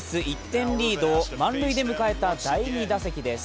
１点リードを満塁で迎えた第２打席です。